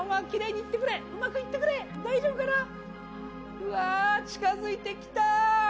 うわー、近づいてきた。